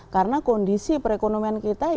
karena kondisi perekonomian kita